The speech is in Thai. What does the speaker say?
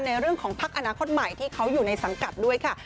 ในเรื่องของพักอนาคตใหม่ที่เขาอยู่ในสังกัดด้วยค่ะ